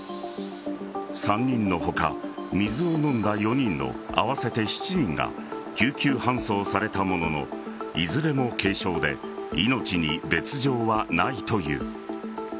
３人の他水を飲んだ４人の合わせて７人が救急搬送されたもののいずれも軽傷で命に別条はないという。